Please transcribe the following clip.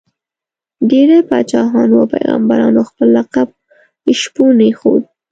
ډېری پاچاهانو او پيغمبرانو خپل لقب شپون ایښود.